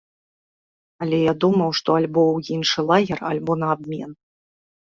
Але я думаў, што альбо ў іншы лагер, альбо на абмен.